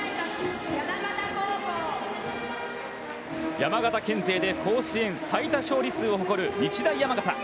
山形県勢で甲子園最多勝利数を誇る日大山形。